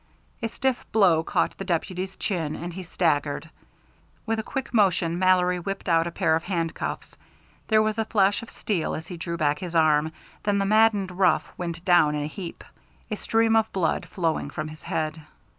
A stiff blow caught the deputy's chin, and he staggered. With a quick motion Mallory whipped out a pair of handcuffs. There was a flash of steel as he drew back his arm, then the maddened rough went down in a heap, a stream of blood flowing from his head.